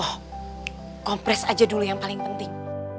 oh kompres aja dulu yang paling penting